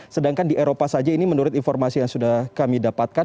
sedangkan di eropa saja ini menurut informasi yang sudah kami dapatkan